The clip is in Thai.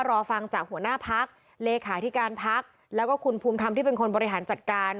รอฟังจากหัวหน้าพักเลขาธิการพักแล้วก็คุณภูมิธรรมที่เป็นคนบริหารจัดการ